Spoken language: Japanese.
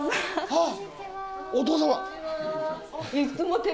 あっお父様！